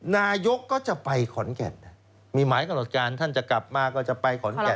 นายกก็จะไปขอนแก่นมีหมายกำหนดการท่านจะกลับมาก็จะไปขอนแก่น